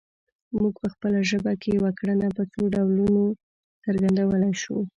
موږ په خپله ژبه کې یوه کړنه په څو ډولونو څرګندولی شو